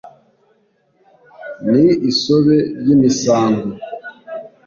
ni isobe ry' imisango